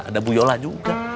ada bu yola juga